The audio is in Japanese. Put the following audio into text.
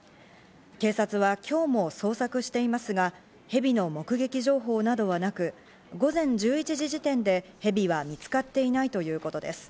警察は今日も捜索を進めていますが、蛇の目撃情報などはなく、午前１１時時点でヘビは見つかっていないということです。